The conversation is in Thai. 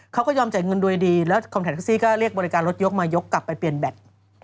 เขาก็ยอมจ่ายเงินโดยดีแล้วคนถ่ายแท็กซี่ก็เรียกบริการรถยกมายกกลับไปเปลี่ยนแบต